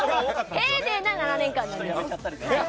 丁寧な７年間です。